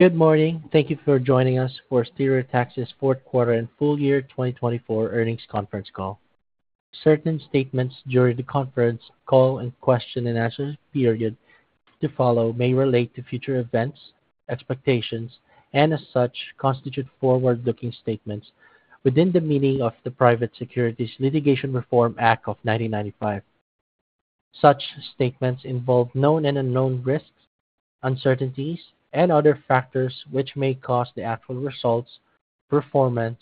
Good morning. Thank you for joining us for Stereotaxis Fourth Quarter and Full Year 2024 earnings conference call. Certain statements during the conference call and question and answer period to follow may relate to future events, expectations, and as such constitute forward-looking statements within the meaning of the Private Securities Litigation Reform Act of 1995. Such statements involve known and unknown risks, uncertainties, and other factors which may cause the actual results, performance,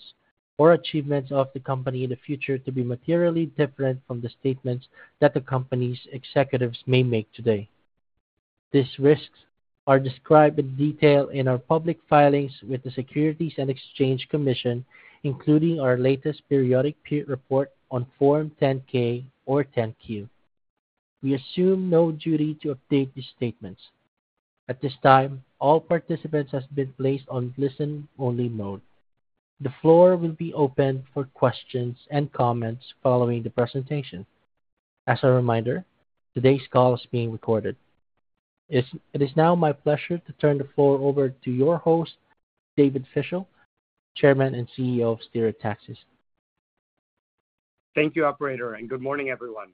or achievements of the company in the future to be materially different from the statements that the company's executives may make today. These risks are described in detail in our public filings with the Securities and Exchange Commission, including our latest Periodic Peer Report on Form 10-K or 10-Q. We assume no duty to update these statements. At this time, all participants have been placed on listen-only mode. The floor will be open for questions and comments following the presentation. As a reminder, today's call is being recorded. It is now my pleasure to turn the floor over to your host, David Fischel, Chairman and CEO of Stereotaxis. Thank you, Operator, and good morning, everyone.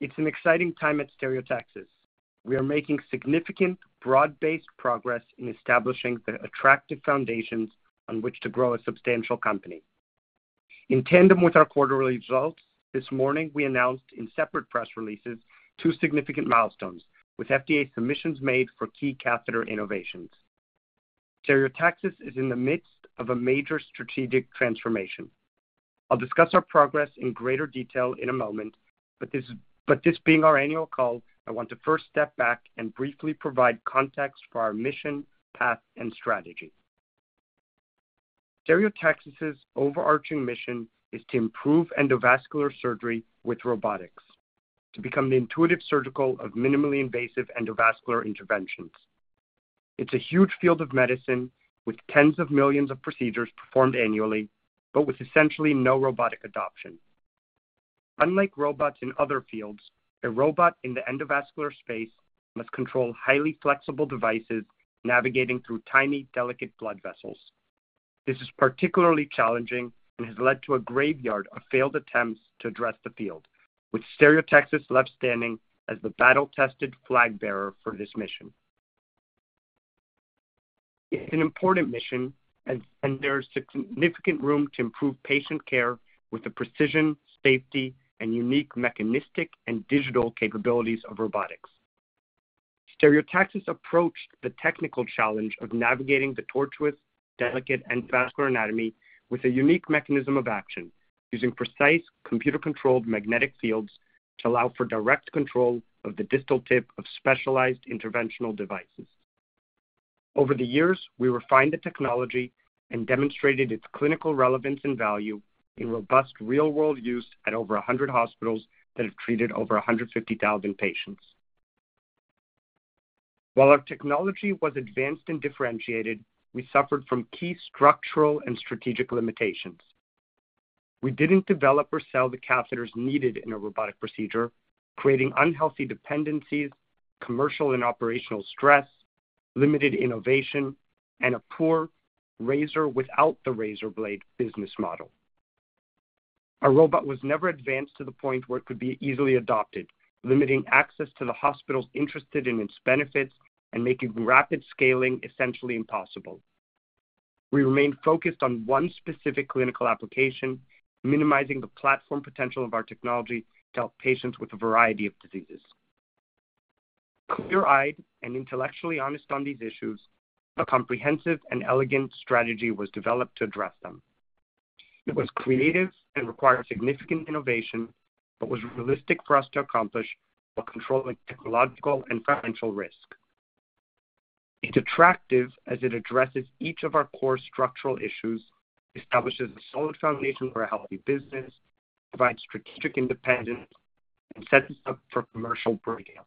It's an exciting time at Stereotaxis. We are making significant, broad-based progress in establishing the attractive foundations on which to grow a substantial company. In tandem with our quarterly results this morning, we announced in separate press releases two significant milestones, with FDA submissions made for key catheter innovations. Stereotaxis is in the midst of a major strategic transformation. I'll discuss our progress in greater detail in a moment, but this being our annual call, I want to first step back and briefly provide context for our mission, path, and strategy. Stereotaxis's overarching mission is to improve endovascular surgery with robotics, to become the Intuitive Surgical of minimally invasive endovascular interventions. It's a huge field of medicine, with tens of millions of procedures performed annually, but with essentially no robotic adoption. Unlike robots in other fields, a robot in the endovascular space must control highly flexible devices navigating through tiny, delicate blood vessels. This is particularly challenging and has led to a graveyard of failed attempts to address the field, with Stereotaxis left standing as the battle-tested flag bearer for this mission. It's an important mission, and there is significant room to improve patient care with the precision, safety, and unique mechanistic and digital capabilities of robotics. Stereotaxis approached the technical challenge of navigating the tortuous, delicate, endovascular anatomy with a unique mechanism of action, using precise computer-controlled magnetic fields to allow for direct control of the distal tip of specialized interventional devices. Over the years, we refined the technology and demonstrated its clinical relevance and value in robust real-world use at over 100 hospitals that have treated over 150,000 patients. While our technology was advanced and differentiated, we suffered from key structural and strategic limitations. We didn't develop or sell the catheters needed in a robotic procedure, creating unhealthy dependencies, commercial and operational stress, limited innovation, and a poor razor-without-the-razor blade business model. Our robot was never advanced to the point where it could be easily adopted, limiting access to the hospitals interested in its benefits and making rapid scaling essentially impossible. We remained focused on one specific clinical application, minimizing the platform potential of our technology to help patients with a variety of diseases. Clear-eyed and intellectually honest on these issues, a comprehensive and elegant strategy was developed to address them. It was creative and required significant innovation, but was realistic for us to accomplish while controlling technological and financial risk. It's attractive as it addresses each of our core structural issues, establishes a solid foundation for a healthy business, provides strategic independence, and sets us up for commercial breakout.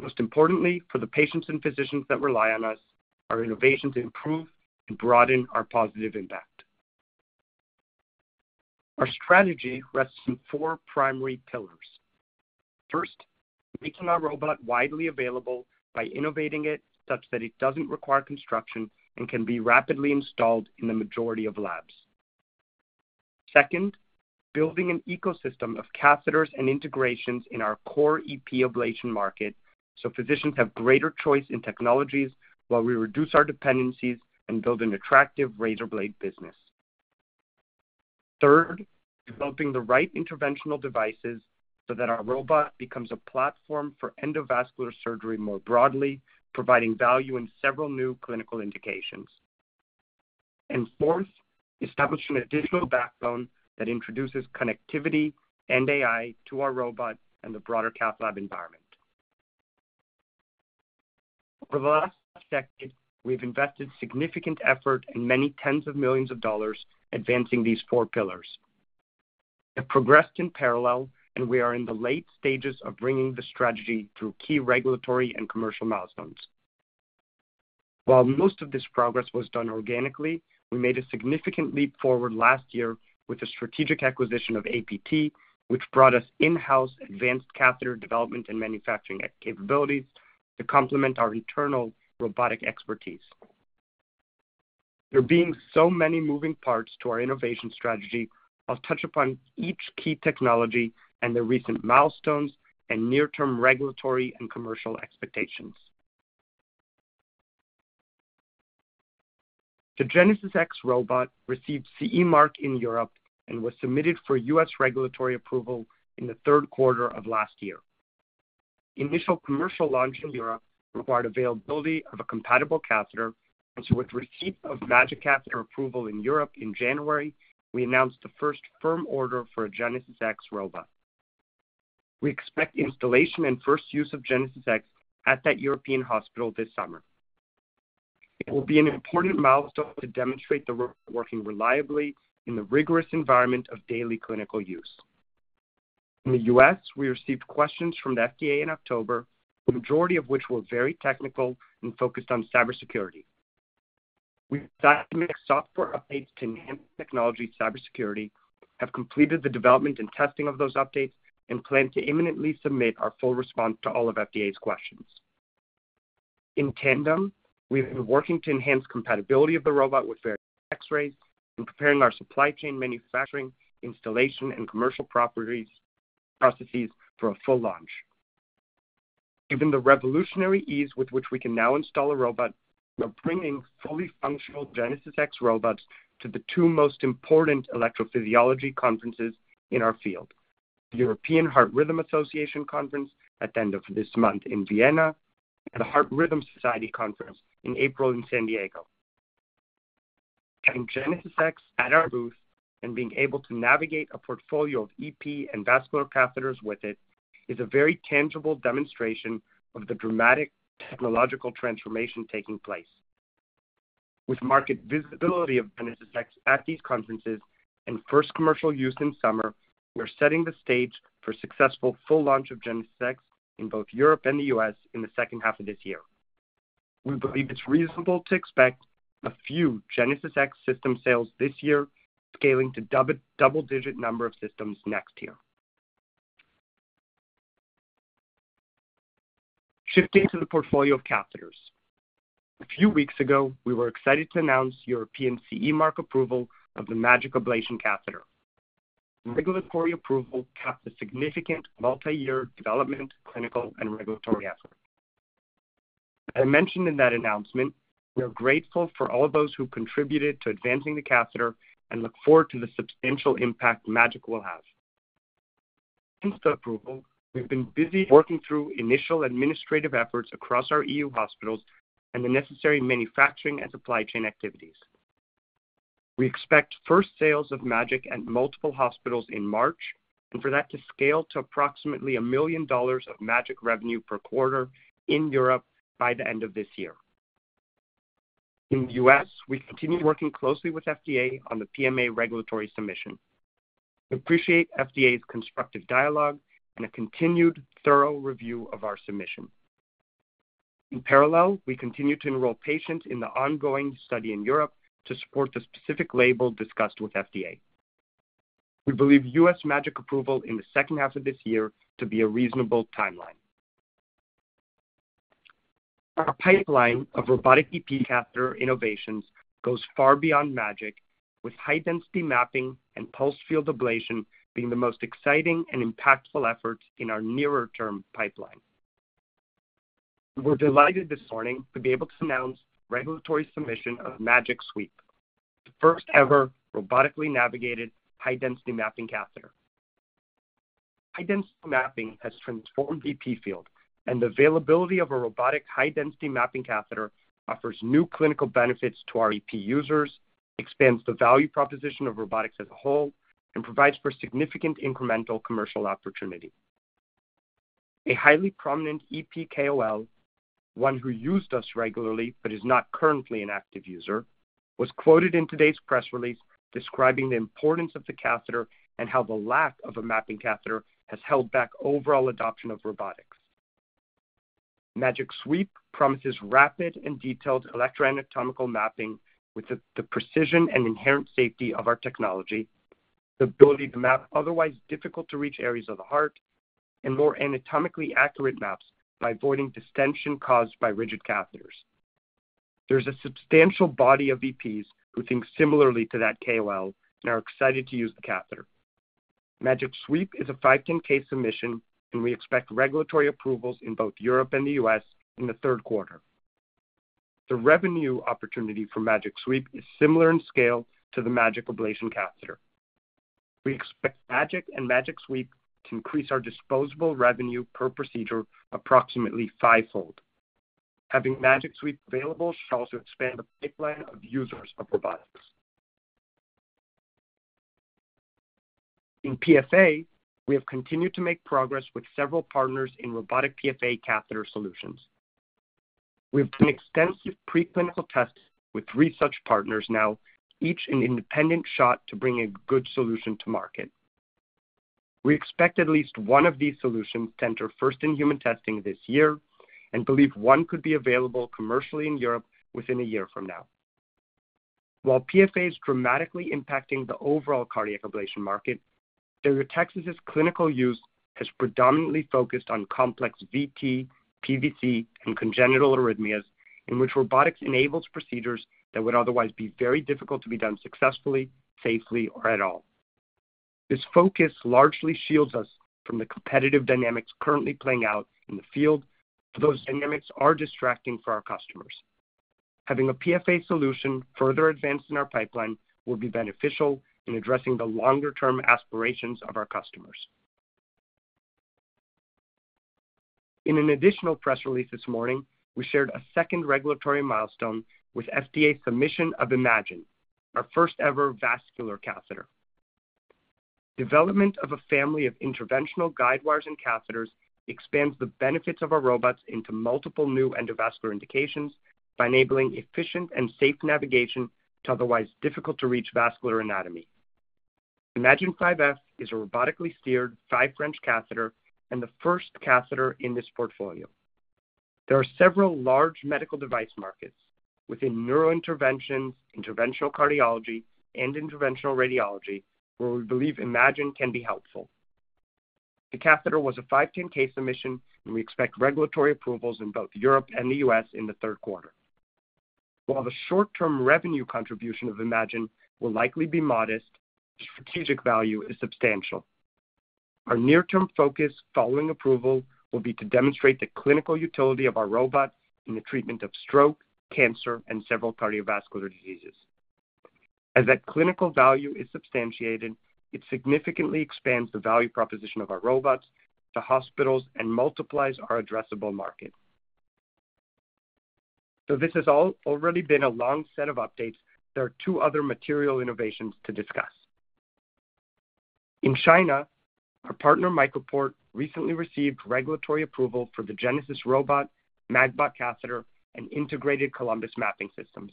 Most importantly, for the patients and physicians that rely on us, our innovations improve and broaden our positive impact. Our strategy rests on four primary pillars. First, making our robot widely available by innovating it such that it doesn't require construction and can be rapidly installed in the majority of labs. Second, building an ecosystem of catheters and integrations in our core EP ablation market so physicians have greater choice in technologies while we reduce our dependencies and build an attractive razor blade business. Third, developing the right interventional devices so that our robot becomes a platform for endovascular surgery more broadly, providing value in several new clinical indications. Establishing a digital backbone that introduces connectivity and AI to our robot and the broader cath lab environment. Over the last decade, we've invested significant effort and many tens of millions of dollars advancing these four pillars. It progressed in parallel, and we are in the late stages of bringing the strategy through key regulatory and commercial milestones. While most of this progress was done organically, we made a significant leap forward last year with the strategic acquisition of APT, which brought us in-house advanced catheter development and manufacturing capabilities to complement our internal robotic expertise. There being so many moving parts to our innovation strategy, I'll touch upon each key technology and the recent milestones and near-term regulatory and commercial expectations. The GenesisX robot received CE mark in Europe and was submitted for U.S. regulatory approval in the third quarter of last year. Initial commercial launch in Europe required availability of a compatible catheter, and so with receipt of MAGiC catheter approval in Europe in January, we announced the first firm order for a GenesisX robot. We expect installation and first use of GenesisX at that European hospital this summer. It will be an important milestone to demonstrate the robot working reliably in the rigorous environment of daily clinical use. In the U.S., we received questions from the FDA in October, the majority of which were very technical and focused on cybersecurity. We decided to make software updates to enhance technology cybersecurity, have completed the development and testing of those updates, and plan to imminently submit our full response to all of FDA's questions. In tandem, we've been working to enhance compatibility of the robot with various X-rays and preparing our supply chain, manufacturing, installation, and commercial properties processes for a full launch. Given the revolutionary ease with which we can now install a robot, we're bringing fully functional GenesisX robots to the two most important electrophysiology conferences in our field: the European Heart Rhythm Association Conference at the end of this month in Vienna, and the Heart Rhythm Society Conference in April in San Diego. Having GenesisX at our booth and being able to navigate a portfolio of EP and vascular catheters with it is a very tangible demonstration of the dramatic technological transformation taking place. With market visibility of GenesisX at these conferences and first commercial use in summer, we're setting the stage for successful full launch of GenesisX in both Europe and the U.S. In the second half of this year. We believe it's reasonable to expect a few GenesisX system sales this year, scaling to a double-digit number of systems next year. Shifting to the portfolio of catheters, a few weeks ago, we were excited to announce European CE mark approval of the MAGiC ablation catheter. Regulatory approval capped a significant multi-year development, clinical, and regulatory effort. As I mentioned in that announcement, we are grateful for all those who contributed to advancing the catheter and look forward to the substantial impact MAGiC will have. Since the approval, we've been busy working through initial administrative efforts across our EU hospitals and the necessary manufacturing and supply chain activities. We expect first sales of MAGiC at multiple hospitals in March and for that to scale to approximately $1 million of MAGiC revenue per quarter in Europe by the end of this year. In the U.S., we continue working closely with FDA on the PMA regulatory submission. We appreciate FDA's constructive dialogue and a continued thorough review of our submission. In parallel, we continue to enroll patients in the ongoing study in Europe to support the specific label discussed with FDA. We believe U.S. MAGiC approval in the second half of this year to be a reasonable timeline. Our pipeline of robotic EP catheter innovations goes far beyond MAGiC, with high-density mapping and pulse field ablation being the most exciting and impactful efforts in our nearer-term pipeline. We're delighted this morning to be able to announce regulatory submission of MAGiC Sweep, the first-ever robotically navigated high-density mapping catheter. High-density mapping has transformed the EP field, and the availability of a robotic high-density mapping catheter offers new clinical benefits to our EP users, expands the value proposition of robotics as a whole, and provides for significant incremental commercial opportunity. A highly prominent EP KOL, one who used us regularly but is not currently an active user, was quoted in today's press release describing the importance of the catheter and how the lack of a mapping catheter has held back overall adoption of robotics. MAGiC Sweep promises rapid and detailed electroanatomical mapping with the precision and inherent safety of our technology, the ability to map otherwise difficult-to-reach areas of the heart, and more anatomically accurate maps by avoiding distension caused by rigid catheters. There is a substantial body of EPs who think similarly to that KOL and are excited to use the catheter. MAGiC Sweep is a 510(k) submission, and we expect regulatory approvals in both Europe and the U.S. in the third quarter. The revenue opportunity for MAGiC Sweep is similar in scale to the MAGiC ablation catheter. We expect MAGiC and MAGiC Sweep to increase our disposable revenue per procedure approximately fivefold. Having MAGiC Sweep available should also expand the pipeline of users of robotics. In PFA, we have continued to make progress with several partners in robotic PFA catheter solutions. We have done extensive preclinical tests with three such partners now, each an independent shot to bring a good solution to market. We expect at least one of these solutions to enter first in human testing this year and believe one could be available commercially in Europe within a year from now. While PFA is dramatically impacting the overall cardiac ablation market, Stereotaxis's clinical use has predominantly focused on complex VT, PVC, and congenital arrhythmias, in which robotics enables procedures that would otherwise be very difficult to be done successfully, safely, or at all. This focus largely shields us from the competitive dynamics currently playing out in the field, but those dynamics are distracting for our customers. Having a PFA solution further advanced in our pipeline will be beneficial in addressing the longer-term aspirations of our customers. In an additional press release this morning, we shared a second regulatory milestone with FDA submission of EMAGIN, our first-ever vascular catheter. Development of a family of interventional guidewires and catheters expands the benefits of our robots into multiple new endovascular indications by enabling efficient and safe navigation to otherwise difficult-to-reach vascular anatomy. EMAGIN 5F is a robotically steered 5-French catheter and the first catheter in this portfolio. There are several large medical device markets within neurointerventions, interventional cardiology, and interventional radiology where we believe EMAGIN can be helpful. The catheter was a 510(k) submission, and we expect regulatory approvals in both Europe and the U.S. in the third quarter. While the short-term revenue contribution of EMAGIN will likely be modest, the strategic value is substantial. Our near-term focus following approval will be to demonstrate the clinical utility of our robot in the treatment of stroke, cancer, and several cardiovascular diseases. As that clinical value is substantiated, it significantly expands the value proposition of our robots to hospitals and multiplies our addressable market. This has already been a long set of updates. There are two other material innovations to discuss. In China, our partner MicroPort recently received regulatory approval for the Genesis robot, MAGiC catheter, and integrated Columbus mapping systems.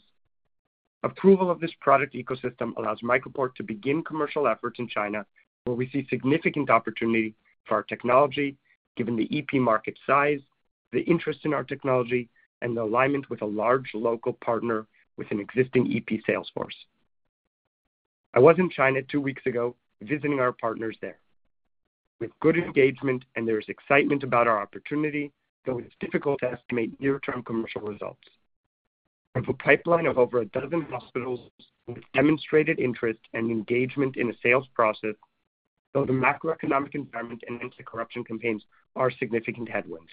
Approval of this product ecosystem allows MicroPort to begin commercial efforts in China, where we see significant opportunity for our technology, given the EP market size, the interest in our technology, and the alignment with a large local partner with an existing EP sales force. I was in China two weeks ago visiting our partners there. We have good engagement, and there is excitement about our opportunity, though it's difficult to estimate near-term commercial results. We have a pipeline of over a dozen hospitals with demonstrated interest and engagement in a sales process, though the macroeconomic environment and anti-corruption campaigns are significant headwinds.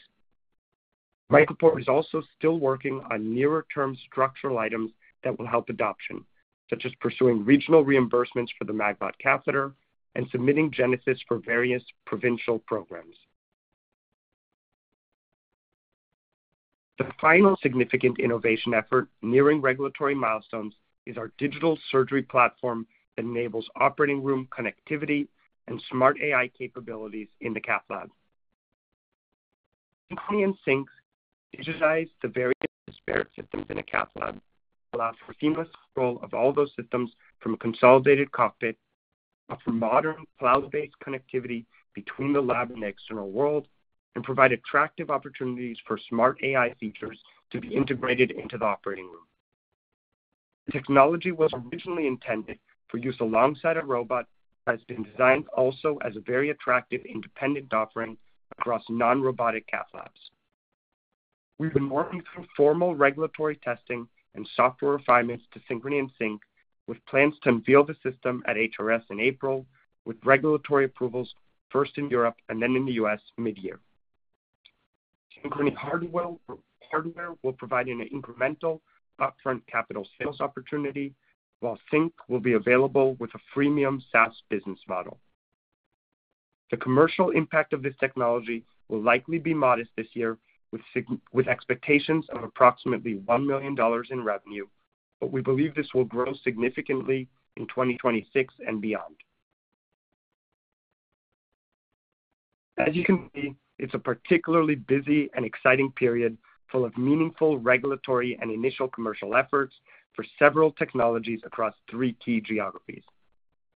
MicroPort is also still working on nearer-term structural items that will help adoption, such as pursuing regional reimbursements for the MAGiC catheter and submitting Genesis for various provincial programs. The final significant innovation effort nearing regulatory milestones is our digital surgery platform that enables operating room connectivity and smart AI capabilities in the cath lab. Synchrony and Sync digitize the [audio distotion] various disparate systems in a cath lab, allow for seamless control of all those systems from a consolidated cockpit, offer modern cloud-based connectivity between the lab and the external world, and provide attractive opportunities for smart AI features to be integrated into the operating room. The technology was originally intended for use alongside a robot, but has been designed also as a very attractive independent offering across non-robotic cath labs. We've been working through formal regulatory testing and software refinements to Synchrony and Sync, with plans to unveil the system at HRS in April, with regulatory approvals first in Europe and then in the U.S. mid-year. Synchrony hardware will provide an incremental upfront capital sales opportunity, while Sync will be available with a freemium SaaS business model. The commercial impact of this technology will likely be modest this year, with expectations of approximately $1 million in revenue, but we believe this will grow significantly in 2026 and beyond. As you can see, it's a particularly busy and exciting period full of meaningful regulatory and initial commercial efforts for several technologies across three key geographies.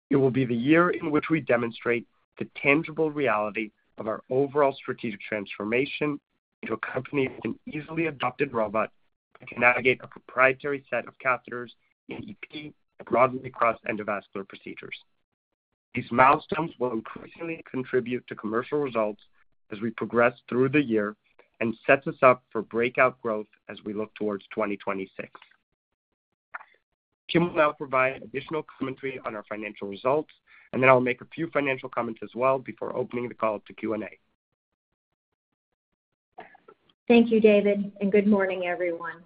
It will be the year in which we demonstrate the tangible reality of our overall strategic transformation into a company with an easily adopted robot that can navigate a proprietary set of catheters in EP and broadly across endovascular procedures. These milestones will increasingly contribute to commercial results as we progress through the year and set us up for breakout growth as we look towards 2026. Kim will now provide additional commentary on our financial results, and then I'll make a few financial comments as well before opening the call to Q&A. Thank you, David, and good morning, everyone.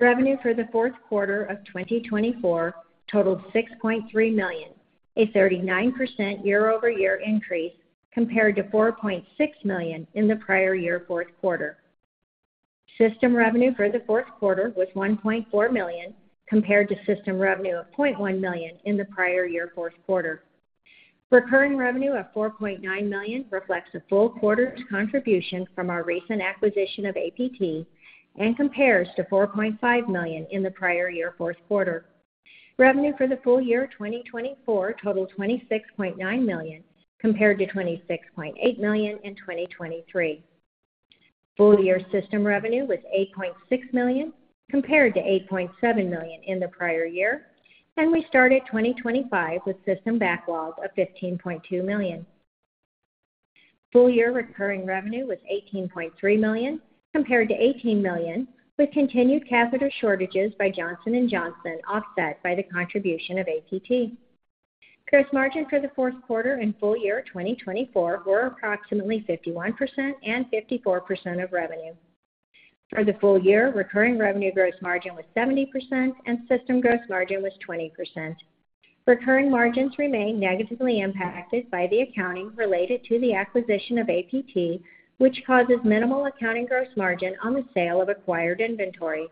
Revenue for the fourth quarter of 2024 totaled $6.3 million, a 39% year-over-year increase compared to $4.6 million in the prior year fourth quarter. System revenue for the fourth quarter was $1.4 million compared to system revenue of $0.1 million in the prior year fourth quarter. Recurring revenue of $4.9 million reflects a full quarter's contribution from our recent acquisition of APT and compares to $4.5 million in the prior year fourth quarter. Revenue for the full year 2024 totaled $26.9 million compared to $26.8 million in 2023. Full year system revenue was $8.6 million compared to $8.7 million in the prior year, and we started 2025 with system backlog of $15.2 million. Full year recurring revenue was $18.3 million compared to $18 million, with continued catheter shortages by Johnson & Johnson offset by the contribution of APT. Gross margin for the fourth quarter and full year 2024 were approximately 51% and 54% of revenue. For the full year, recurring revenue gross margin was 70%, and system gross margin was 20%. Recurring margins remain negatively impacted by the accounting related to the acquisition of APT, which causes minimal accounting gross margin on the sale of acquired inventory.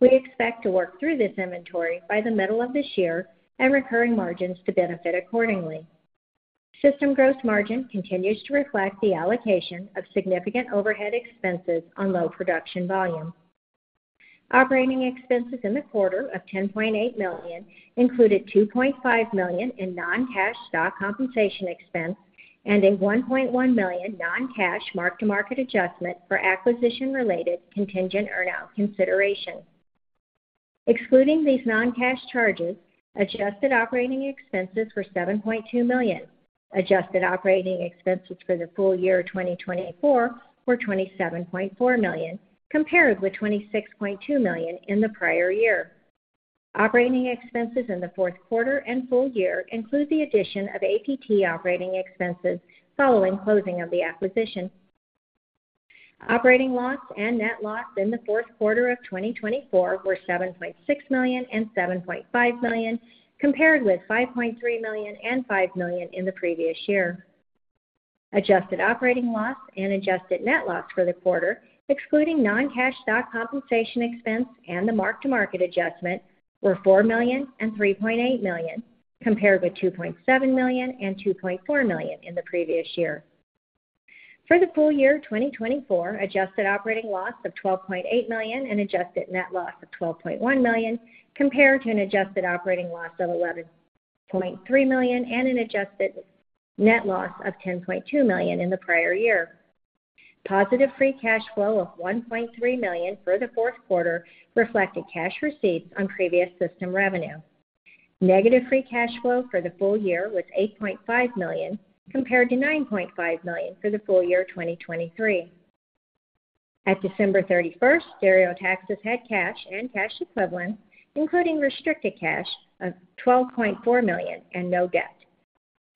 We expect to work through this inventory by the middle of this year and recurring margins to benefit accordingly. System gross margin continues to reflect the allocation of significant overhead expenses on low production volume. Operating expenses in the quarter of $10.8 million included $2.5 million in non-cash stock compensation expense and a $1.1 million non-cash mark-to-market adjustment for acquisition-related contingent earnout consideration. Excluding these non-cash charges, adjusted operating expenses were $7.2 million. Adjusted operating expenses for the full year 2024 were $27.4 million, compared with $26.2 million in the prior year. Operating expenses in the fourth quarter and full year include the addition of APT operating expenses following closing of the acquisition. Operating loss and net loss in the fourth quarter of 2024 were $7.6 million and $7.5 million, compared with $5.3 million and $5 million in the previous year. Adjusted operating loss and adjusted net loss for the quarter, excluding non-cash stock compensation expense and the mark-to-market adjustment, were $4 million and $3.8 million, compared with $2.7 million and $2.4 million in the previous year. For the full year 2024, adjusted operating loss of $12.8 million and adjusted net loss of $12.1 million compared to an adjusted operating loss of $11.3 million and an adjusted net loss of $10.2 million in the prior year. Positive free cash flow of $1.3 million for the fourth quarter reflected cash receipts on previous system revenue. Negative free cash flow for the full year was $8.5 million, compared to $9.5 million for the full year 2023. At December 31st, Stereotaxis had cash and cash equivalents, including restricted cash, of $12.4 million and no debt.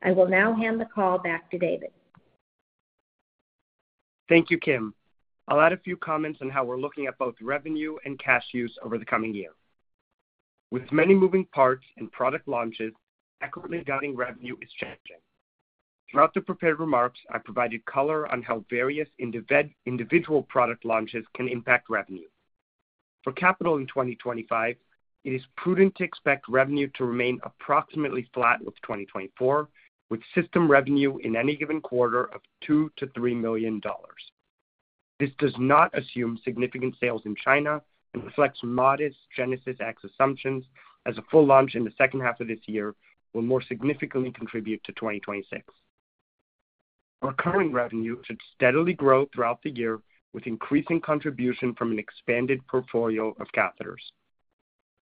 I will now hand the call back to David. Thank you, Kim. I'll add a few comments on how we're looking at both revenue and cash use over the coming year. With many moving parts and product launches, equitably guiding revenue is changing. Throughout the prepared remarks, I provided color on how various individual product launches can impact revenue. For capital in 2025, it is prudent to expect revenue to remain approximately flat with 2024, with system revenue in any given quarter of $2 million-$3 million. This does not assume significant sales in China and reflects modest GenesisX assumptions, as a full launch in the second half of this year will more significantly contribute to 2026. Recurring revenue should steadily grow throughout the year, with increasing contribution from an expanded portfolio of catheters.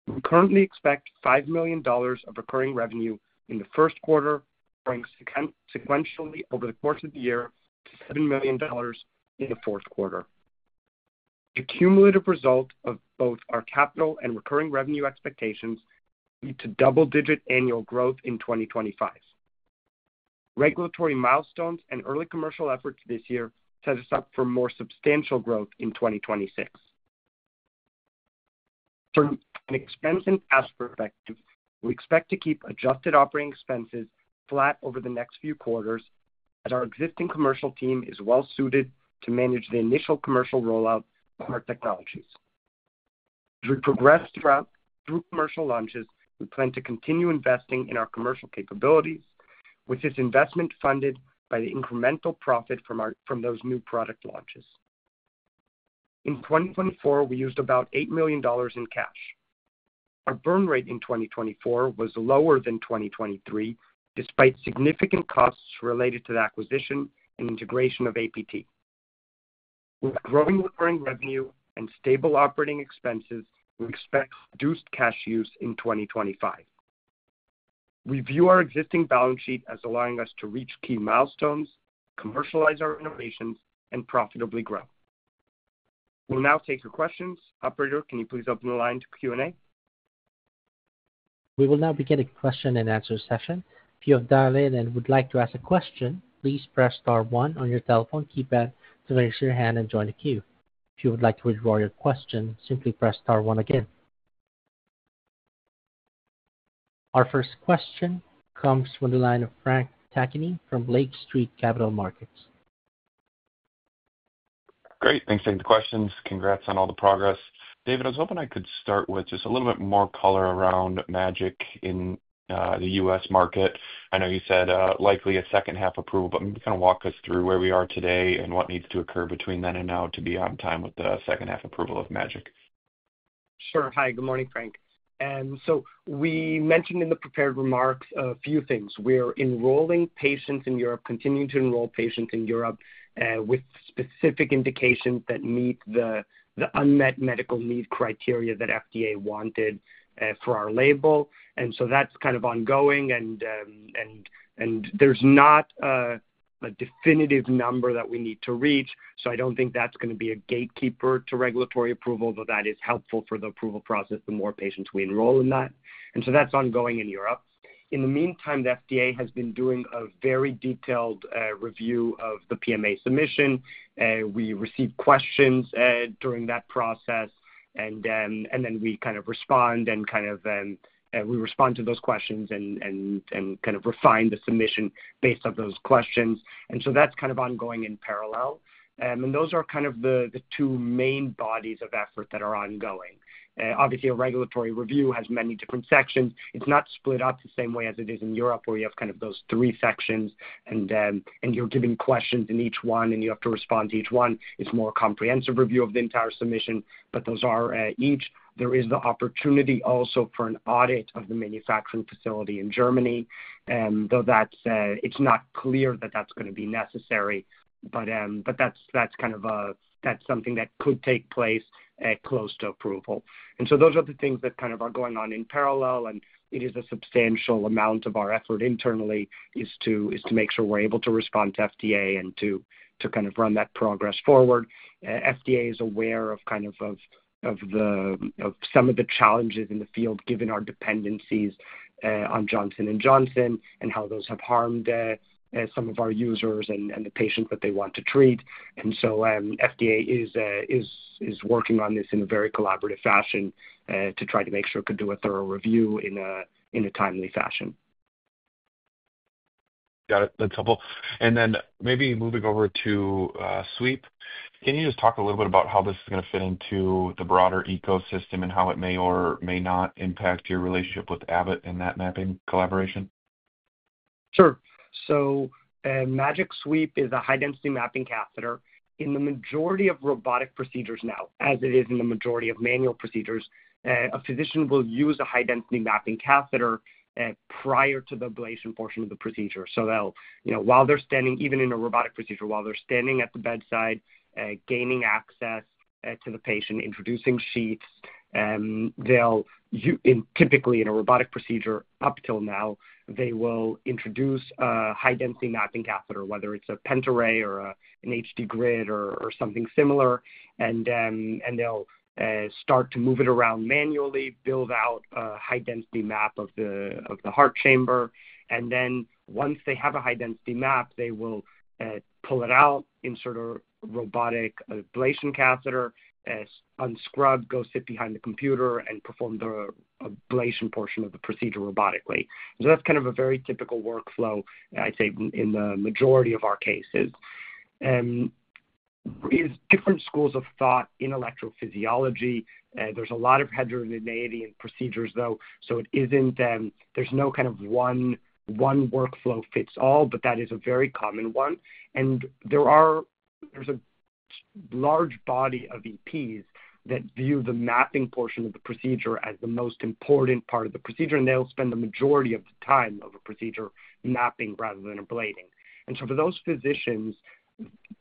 We currently expect $5 million of recurring revenue in the first quarter, growing sequentially over the course of the year to $7 million in the fourth quarter. The cumulative result of both our capital and recurring revenue expectations leads to double-digit annual growth in 2025. Regulatory milestones and early commercial efforts this year set us up for more substantial growth in 2026. From an expense and cash perspective, we expect to keep adjusted operating expenses flat over the next few quarters, as our existing commercial team is well-suited to manage the initial commercial rollout of our technologies. As we progress through commercial launches, we plan to continue investing in our commercial capabilities, with this investment funded by the incremental profit from those new product launches. In 2024, we used about $8 million in cash. Our burn rate in 2024 was lower than 2023, despite significant costs related to the acquisition and integration of APT. With growing recurring revenue and stable operating expenses, we expect reduced cash use in 2025. We view our existing balance sheet as allowing us to reach key milestones, commercialize our innovations, and profitably grow. We'll now take your questions. Operator, can you please open the line to Q&A? We will now begin a question-and-answer session. If you have dialed in and would like to ask a question, please press star one on your telephone keypad to raise your hand and join the queue. If you would like to withdraw your question, simply press star one again. Our first question comes from the line of Frank Takkinen from Lake Street Capital Markets. Great. Thanks for the questions. Congrats on all the progress. David, I was hoping I could start with just a little bit more color around MAGiC in the U.S. market. I know you said likely a second-half approval, but maybe kind of walk us through where we are today and what needs to occur between then and now to be on time with the second-half approval of MAGiC. Sure. Hi. Good morning, Frank. We mentioned in the prepared remarks a few things. We're enrolling patients in Europe, continuing to enroll patients in Europe with specific indications that meet the unmet medical need criteria that FDA wanted for our label. That is ongoing, and there's not a definitive number that we need to reach. I don't think that's going to be a gatekeeper to regulatory approval, though that is helpful for the approval process the more patients we enroll in that. That's ongoing in Europe. In the meantime, the FDA has been doing a very detailed review of the PMA submission. We receive questions during that process, and we respond to those questions and refine the submission based on those questions. That's ongoing in parallel. Those are the two main bodies of effort that are ongoing. Obviously, a regulatory review has many different sections. It's not split up the same way as it is in Europe, where you have those three sections, and you're given questions in each one, and you have to respond to each one. It's more a comprehensive review of the entire submission, but those are each. There is the opportunity also for an audit of the manufacturing facility in Germany, though it's not clear that that's going to be necessary. That's something that could take place close to approval. Those are the things that are going on in parallel, and it is a substantial amount of our effort internally to make sure we're able to respond to FDA and to run that progress forward. FDA is aware of some of the challenges in the field, given our dependencies on Johnson & Johnson and how those have harmed some of our users and the patients that they want to treat. FDA is working on this in a very collaborative fashion to try to make sure it could do a thorough review in a timely fashion. Got it. That's helpful. Maybe moving over to Sweep, can you just talk a little bit about how this is going to fit into the broader ecosystem and how it may or may not impact your relationship with Abbott and that mapping collaboration? Sure. MAGiC Sweep is a high-density mapping catheter. In the majority of robotic procedures now, as it is in the majority of manual procedures, a physician will use a high-density mapping catheter prior to the ablation portion of the procedure. While they're standing, even in a robotic procedure, while they're standing at the bedside, gaining access to the patient, introducing sheaths, they'll typically, in a robotic procedure up till now, introduce a high-density mapping catheter, whether it's a pent array or an HD grid or something similar. They'll start to move it around manually, build out a high-density map of the heart chamber. Once they have a high-density map, they will pull it out, insert a robotic ablation catheter, unscrub, go sit behind the computer, and perform the ablation portion of the procedure robotically. That is kind of a very typical workflow, I'd say, in the majority of our cases. There are different schools of thought in electrophysiology. There is a lot of heterogeneity in procedures, though, so it is not that there is one workflow that fits all, but that is a very common one. There is a large body of EPs that view the mapping portion of the procedure as the most important part of the procedure, and they will spend the majority of the time of a procedure mapping rather than ablating. For those physicians,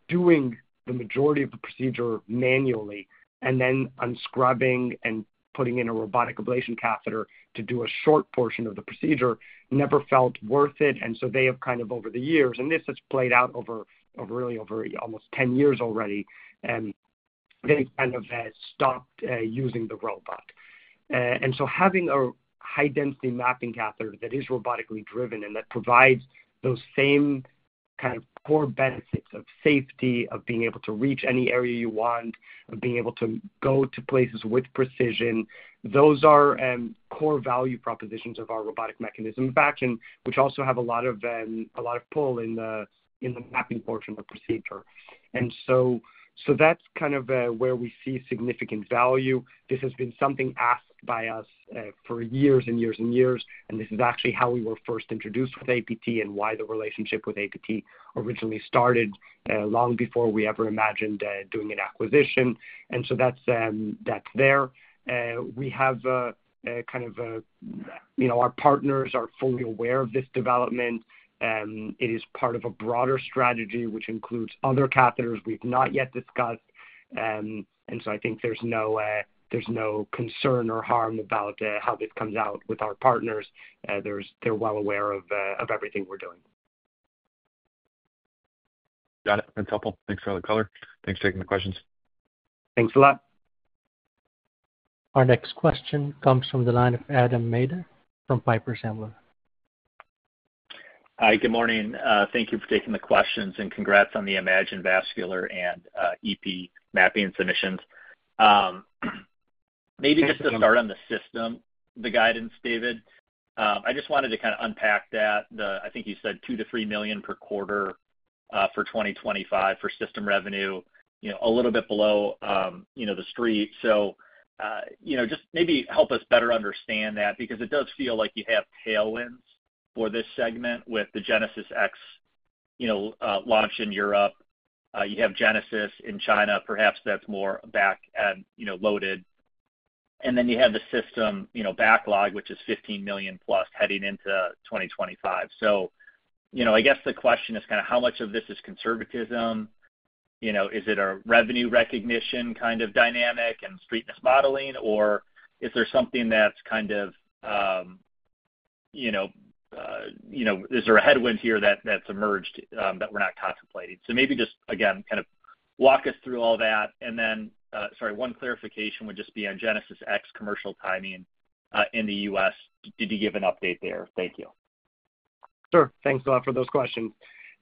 doing the majority of the procedure manually and then unscrubbing and putting in a robotic ablation catheter to do a short portion of the procedure never felt worth it. They have kind of over the years, and this has played out over really over almost 10 years already, they've kind of stopped using the robot. Having a high-density mapping catheter that is robotically driven and that provides those same kind of core benefits of safety, of being able to reach any area you want, of being able to go to places with precision, those are core value propositions of our robotic mechanism of action, which also have a lot of pull in the mapping portion of the procedure. That is kind of where we see significant value. This has been something asked by us for years and years and years, and this is actually how we were first introduced with APT and why the relationship with APT originally started long before we ever imagined doing an acquisition. That is there. We have kind of our partners are fully aware of this development. It is part of a broader strategy, which includes other catheters we've not yet discussed. I think there's no concern or harm about how this comes out with our partners. They're well aware of everything we're doing. Got it. That's helpful. Thanks for all the color. Thanks for taking the questions. Thanks a lot. Our next question comes from the line of Adam Maeder from Piper Sandler. Hi. Good morning. Thank you for taking the questions and congrats on the EMAGIN vascular and EP mapping submissions. Maybe just to start on the system, the guidance, David, I just wanted to kind of unpack that. I think you said $2 million-$3 million per quarter for 2025 for system revenue, a little bit below the street. Just maybe help us better understand that because it does feel like you have tailwinds for this segment with the GenesisX launch in Europe. You have Genesis in China. Perhaps that's more back loaded. You have the system backlog, which is $15 million plus heading into 2025. I guess the question is kind of how much of this is conservatism? Is it a revenue recognition kind of dynamic and streetness modeling, or is there something that's kind of, is there a headwind here that's emerged that we're not contemplating? Maybe just, again, kind of walk us through all that. Sorry, one clarification would just be on GenesisX commercial timing in the U.S. Did you give an update there? Thank you. Sure. Thanks a lot for those questions.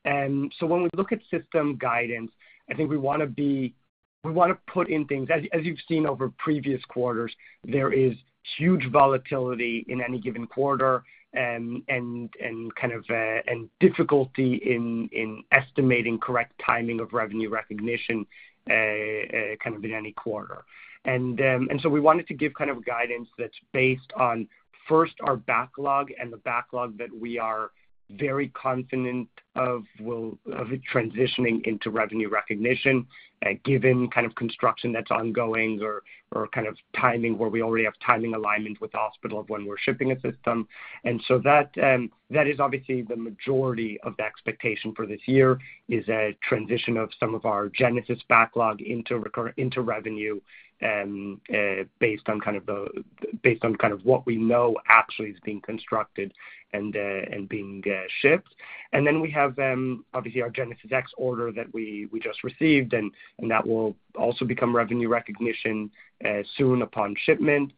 When we look at system guidance, I think we want to put in things. As you've seen over previous quarters, there is huge volatility in any given quarter and kind of difficulty in estimating correct timing of revenue recognition in any quarter. We wanted to give guidance that's based on first our backlog and the backlog that we are very confident of transitioning into revenue recognition given construction that's ongoing or timing where we already have timing alignment with the hospital of when we're shipping a system. That is obviously the majority of the expectation for this year, a transition of some of our Genesis backlog into revenue based on kind of what we know actually is being constructed and being shipped. We have obviously our GenesisX order that we just received, and that will also become revenue recognition soon upon shipment.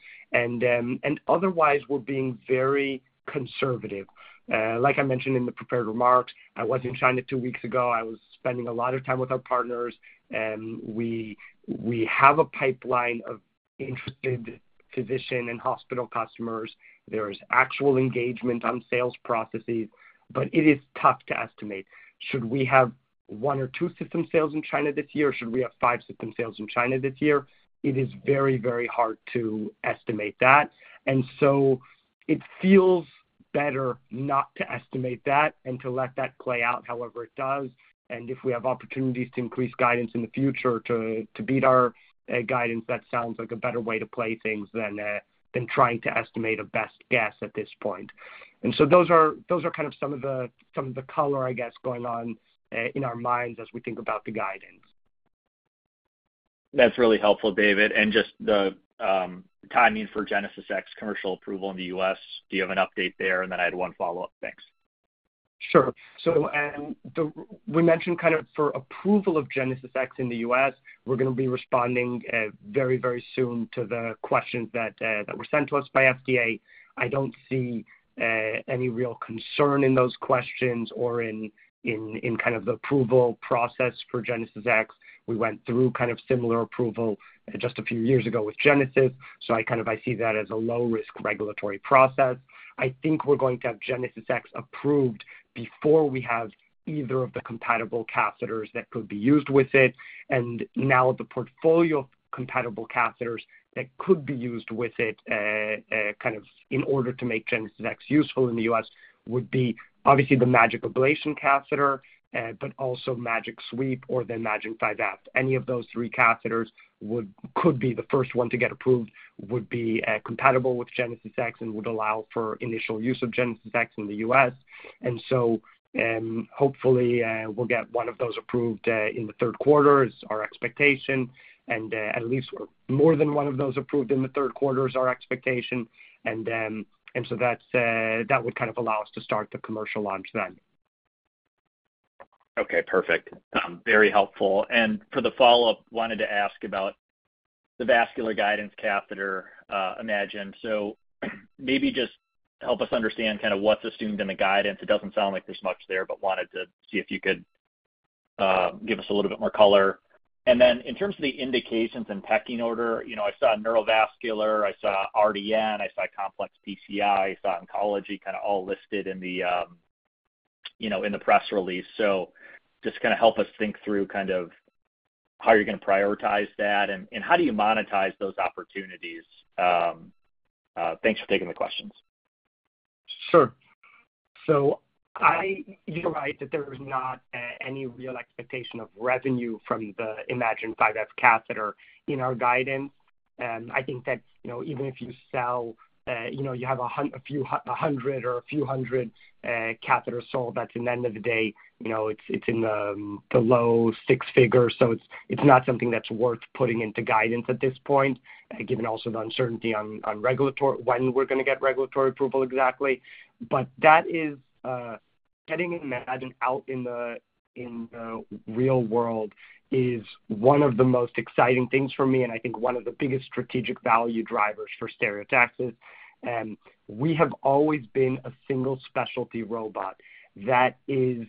Otherwise, we're being very conservative. Like I mentioned in the prepared remarks, I was in China two weeks ago. I was spending a lot of time with our partners. We have a pipeline of interested physician and hospital customers. There is actual engagement on sales processes, but it is tough to estimate. Should we have one or two system sales in China this year, or should we have five system sales in China this year? It is very, very hard to estimate that. It feels better not to estimate that and to let that play out however it does. If we have opportunities to increase guidance in the future to beat our guidance, that sounds like a better way to play things than trying to estimate a best guess at this point. Those are kind of some of the color, I guess, going on in our minds as we think about the guidance. That's really helpful, David. Just the timing for GenesisX commercial approval in the U.S., do you have an update there? I had one follow-up. Thanks. Sure. We mentioned for approval of GenesisX in the U.S., we're going to be responding very, very soon to the questions that were sent to us by FDA. I don't see any real concern in those questions or in kind of the approval process for GenesisX. We went through kind of similar approval just a few years ago with Genesis. I kind of see that as a low-risk regulatory process. I think we're going to have GenesisX approved before we have either of the compatible catheters that could be used with it. Now the portfolio of compatible catheters that could be used with it kind of in order to make GenesisX useful in the U.S. would be obviously the MAGiC ablation catheter, but also MAGiC Sweep or the EMAGIN 5F. Any of those three catheters could be the first one to get approved, would be compatible with GenesisX, and would allow for initial use of GenesisX in the U.S. Hopefully we'll get one of those approved in the third quarter is our expectation. At least more than one of those approved in the third quarter is our expectation. That would kind of allow us to start the commercial launch then. Okay. Perfect. Very helpful. For the follow-up, wanted to ask about the vascular guidance catheter EMAGIN. Maybe just help us understand kind of what's assumed in the guidance. It doesn't sound like there's much there, but wanted to see if you could give us a little bit more color. In terms of the indications and packing order, I saw neurovascular, I saw RDN, I saw complex PCI, I saw oncology kind of all listed in the press release. Just kind of help us think through kind of how you're going to prioritize that and how do you monetize those opportunities. Thanks for taking the questions. Sure. You're right that there is not any real expectation of revenue from the EMAGIN 5F catheter in our guidance. I think that even if you sell, you have a few hundred or a few hundred catheters sold, that's at the end of the day, it's in the low six figures. It's not something that's worth putting into guidance at this point, given also the uncertainty on regulatory when we're going to get regulatory approval exactly. That is, getting EMAGIN out in the real world is one of the most exciting things for me. I think one of the biggest strategic value drivers for Stereotaxis. We have always been a single specialty robot that is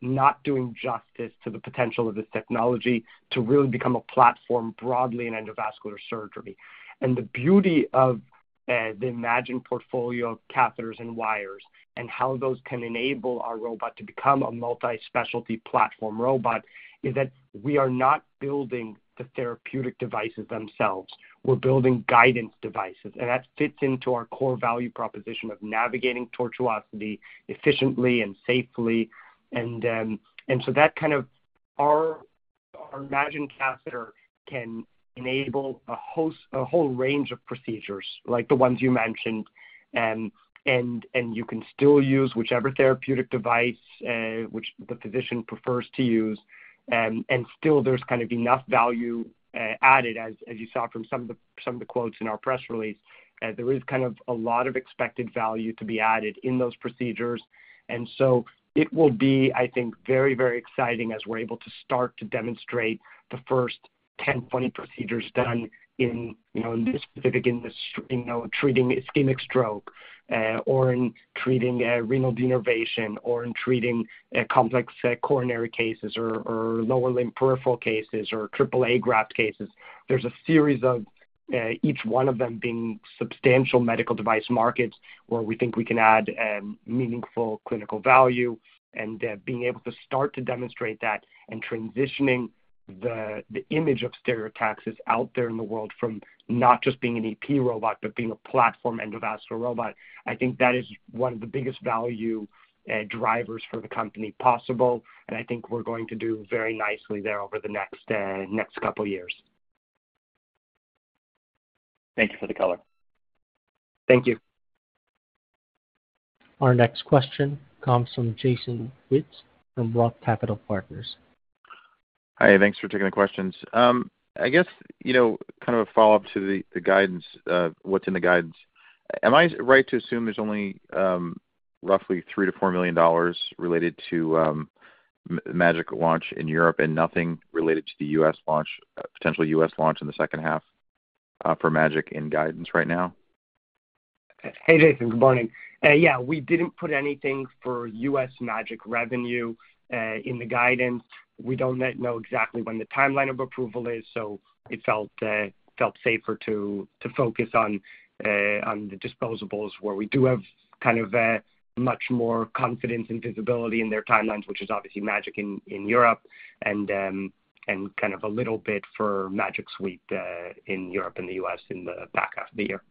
not doing justice to the potential of this technology to really become a platform broadly in endovascular surgery. The beauty of the EMAGIN portfolio of catheters and wires and how those can enable our robot to become a multi-specialty platform robot is that we are not building the therapeutic devices themselves. We're building guidance devices. That fits into our core value proposition of navigating tortuosity efficiently and safely. That kind of our EMAGIN catheter can enable a whole range of procedures like the ones you mentioned. You can still use whichever therapeutic device the physician prefers to use. Still, there's kind of enough value added, as you saw from some of the quotes in our press release. There is kind of a lot of expected value to be added in those procedures. It will be, I think, very, very exciting as we're able to start to demonstrate the first 10, 20 procedures done in this specific industry, treating ischemic stroke or in treating renal denervation or in treating complex coronary cases or lower limb peripheral cases or AAA graft cases. There is a series of each one of them being substantial medical device markets where we think we can add meaningful clinical value. Being able to start to demonstrate that and transitioning the image of Stereotaxis out there in the world from not just being an EP robot, but being a platform endovascular robot, I think that is one of the biggest value drivers for the company possible. I think we're going to do very nicely there over the next couple of years. Thank you for the color. Thank you. Our next question comes from Jason Wittes from ROTH Capital Partners. Hi. Thanks for taking the questions. I guess kind of a follow-up to the guidance, what's in the guidance? Am I right to assume there's only roughly $3 million-$4 million related to MAGiC launch in Europe and nothing related to the U.S. launch, potential U.S. launch in the second half for MAGiC in guidance right now? Hey, Jason. Good morning. Yeah. We didn't put anything for U.S. MAGiC revenue in the guidance. We don't know exactly when the timeline of approval is. It felt safer to focus on the disposables where we do have kind of much more confidence and visibility in their timelines, which is obviously MAGiC in Europe and kind of a little bit for MAGiC Sweep in Europe and the U.S. in the back half of the year.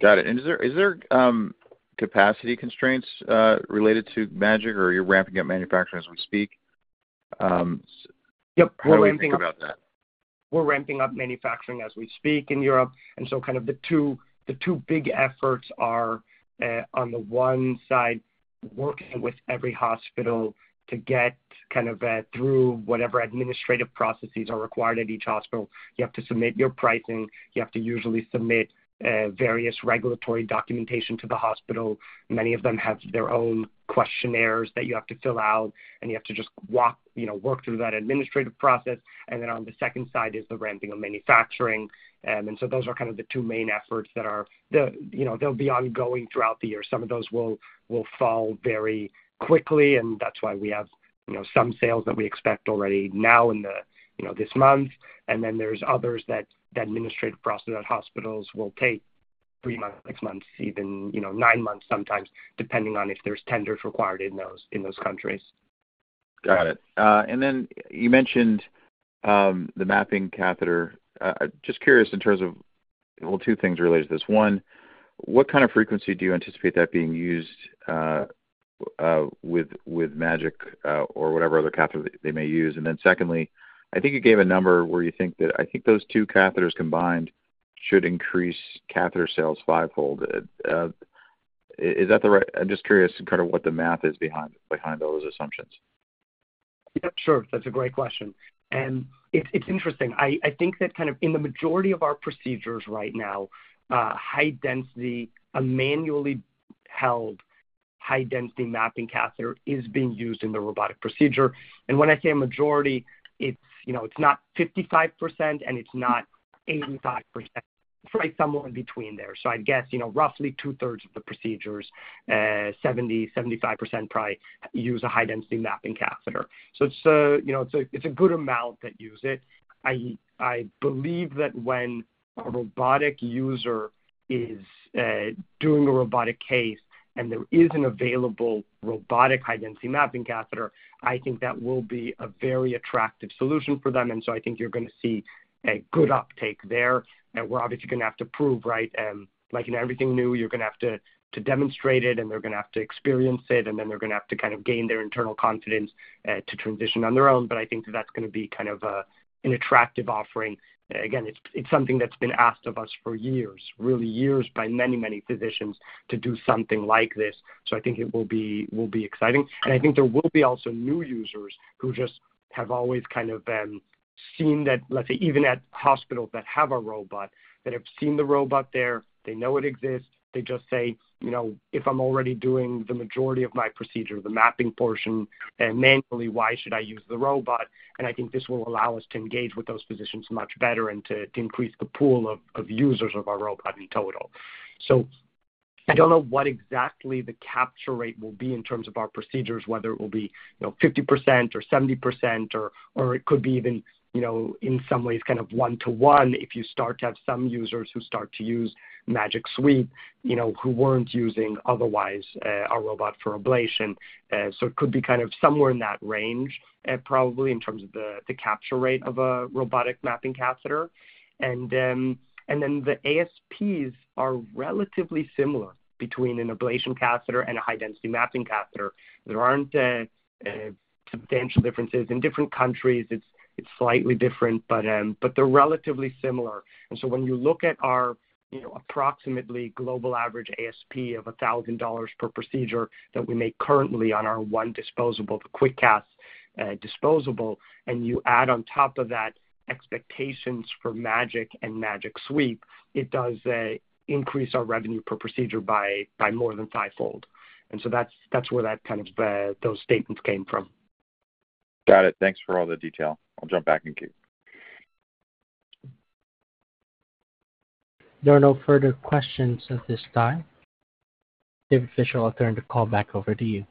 Got it. Is there capacity constraints related to MAGiC, or are you ramping up manufacturing as we speak? Yeah. We're ramping up. How do we think about that? We're ramping up manufacturing as we speak in Europe. The two big efforts are, on the one side, working with every hospital to get through whatever administrative processes are required at each hospital. You have to submit your pricing. You have to usually submit various regulatory documentation to the hospital. Many of them have their own questionnaires that you have to fill out, and you have to just work through that administrative process. On the second side is the ramping of manufacturing. Those are the two main efforts that will be ongoing throughout the year. Some of those will fall very quickly, and that's why we have some sales that we expect already now in this month. There are others that the administrative process at hospitals will take three months, six months, even nine months sometimes, depending on if there's tenders required in those countries. Got it. You mentioned the mapping catheter. Just curious in terms of, well, two things related to this. One, what kind of frequency do you anticipate that being used with MAGiC or whatever other catheter they may use? Secondly, I think you gave a number where you think that those two catheters combined should increase catheter sales fivefold. Is that right? I'm just curious kind of what the math is behind those assumptions. Yeah. Sure. That's a great question. It's interesting. I think that kind of in the majority of our procedures right now, high-density, a manually held high-density mapping catheter is being used in the robotic procedure. When I say a majority, it's not 55%, and it's not 85%. It's probably somewhere in between there. I'd guess roughly two-thirds of the procedures, 70-75% probably use a high-density mapping catheter. It's a good amount that use it. I believe that when a robotic user is doing a robotic case and there is an available robotic high-density mapping catheter, I think that will be a very attractive solution for them. I think you're going to see a good uptake there. We're obviously going to have to prove, right? Like in everything new, you're going to have to demonstrate it, and they're going to have to experience it, and then they're going to have to kind of gain their internal confidence to transition on their own. I think that that's going to be kind of an attractive offering. Again, it's something that's been asked of us for years, really years by many, many physicians to do something like this. I think it will be exciting. I think there will be also new users who just have always kind of seen that, let's say, even at hospitals that have a robot, that have seen the robot there, they know it exists. They just say, "If I'm already doing the majority of my procedure, the mapping portion, manually, why should I use the robot?" I think this will allow us to engage with those physicians much better and to increase the pool of users of our robot in total. I don't know what exactly the capture rate will be in terms of our procedures, whether it will be 50% or 70%, or it could be even in some ways kind of one-to-one if you start to have some users who start to use MAGiC Sweep who weren't using otherwise our robot for ablation. It could be kind of somewhere in that range, probably, in terms of the capture rate of a robotic mapping catheter. The ASPs are relatively similar between an ablation catheter and a high-density mapping catheter. There aren't substantial differences. In different countries, it's slightly different, but they're relatively similar. When you look at our approximately global average ASP of $1,000 per procedure that we make currently on our one disposable, the QuickCast disposable, and you add on top of that expectations for MAGiC and MAGiC Sweep, it does increase our revenue per procedure by more than fivefold. That is where that kind of those statements came from. Got it. Thanks for all the detail. I'll jump back and keep. There are no further questions at this time. David Fischel, I'll turn the call back over to you.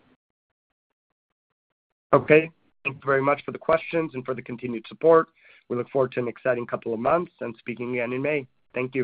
Okay. Thank you very much for the questions and for the continued support. We look forward to an exciting couple of months and speaking again in May. Thank you.